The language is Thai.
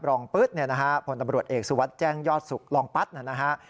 รองปึ๊บผลตำรวจเอกสุวัสดิ์แจ้งยอดศุกร์รองปั๊ดนะฮะ